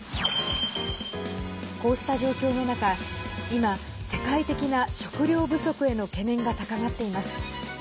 こうした状況の中今、世界的な食糧不足への懸念が高まっています。